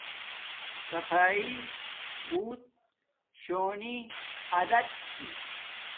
صفایݵ بوت شونی عادت چھی